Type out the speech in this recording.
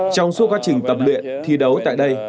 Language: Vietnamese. trong suốt quá trình tập luyện thi đấu tại đây